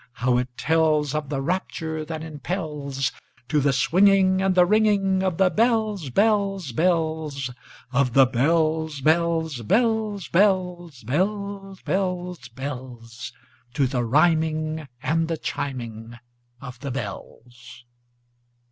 how it tellsOf the rapture that impelsTo the swinging and the ringingOf the bells, bells, bells, Of the bells, bells, bells, bells, Bells, bells, bells—To the rhyming and the chiming of the bells!